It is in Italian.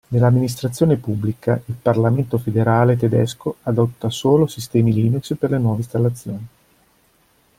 Nell'Amministrazione Pubblica il Parlamento Federale Tedesco adotta solo sistemi Linux per le nuove installazioni.